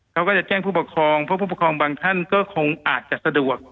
เขาก็จะแจ้งผู้ปกครองเพราะผู้ปกครองบางท่านก็คงอาจจะสะดวก